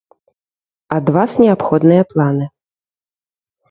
Ад вас неабходныя планы.